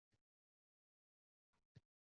Toʻyni eʼlon qilishda nabaviy taʼlimotdan uzoqlashgan